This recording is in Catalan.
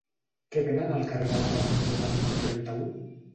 Què venen al carrer de la Tarongeta número trenta-u?